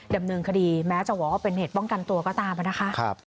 ดำเนินคดีแม้จะบอกว่าเป็นเหตุป้องกันตัวก็ตามนะคะ